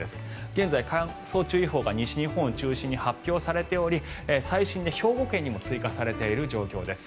現在、乾燥注意報が西日本を中心に発表されており最新で兵庫県も追加されている状況です。